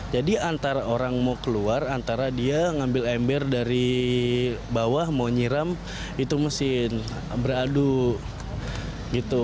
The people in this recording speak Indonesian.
jadi antara orang mau keluar antara dia ngambil ember dari bawah mau nyiram itu mesin beradu